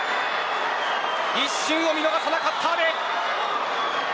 一瞬を見逃さなかった阿部。